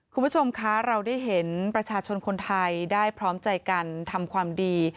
คุณผู้ชมคะเราได้เห็นประชาชนคนไทยได้พร้อมใจกันทำความดี